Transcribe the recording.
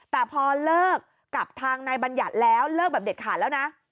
แต่พอเลิกกับทางนายบัญญัติแล้วเลิกแบบเด็ดขาดแล้วนะ